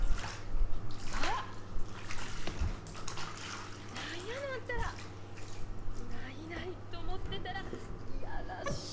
あっ何やのあんたら。ないないと思ってたら嫌らしい。